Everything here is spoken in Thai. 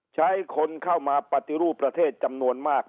ใช้คนเข้ามาปฏิรูปประเทศจำนวนมาก